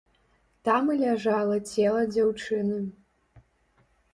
Там і ляжала цела дзяўчыны.